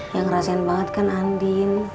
yang ngerasain banget kan andin